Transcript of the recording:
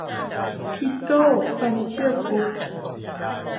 ทิสโก้ไฟแนนเชียลกรุ๊ป